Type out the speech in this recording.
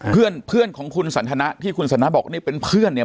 เพื่อนเพื่อนของคุณสันทนะที่คุณสันทนาบอกนี่เป็นเพื่อนเนี่ย